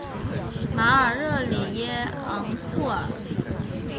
马尔热里耶昂库尔。